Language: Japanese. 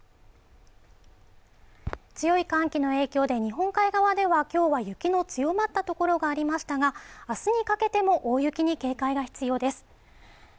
強い寒気の影響で日本海側では、今日は雪の強まった所がありましたが、明日にかけても大雪に警戒が必要です。